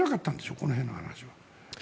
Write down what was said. この辺の話は。